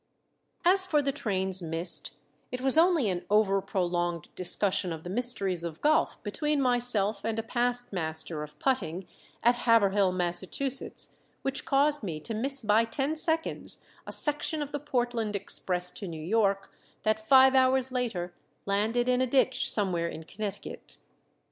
As for the trains missed, it was only an over prolonged discussion of the mysteries of golf between myself and a past master of putting at Haverhill, Massachusetts, which caused me to miss by ten seconds a section of the Portland Express to New York that five hours later landed in a ditch somewhere in Connecticut.